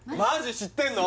知ってんの？